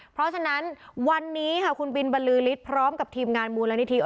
เพราะฉะนั้นวันนี้คุณบินบรรลือริศพร้อมกับทีมงานมูลรณีธรีปร์